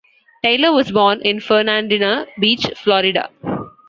Taylor was born in Fernandina Beach, Florida.